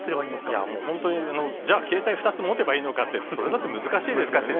いやもう、本当にじゃ、携帯２つ持てばいいのかって、それだって難しいですからね。